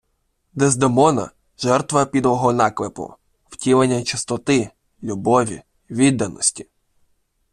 Дездемона - жертва підлого наклепу, втілення чистоти, любові, відданості